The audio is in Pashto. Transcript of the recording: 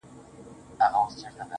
ستا ويادو ته ورځم,